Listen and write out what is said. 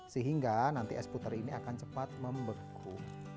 sehingga nanti es puter ini akan cepat membeku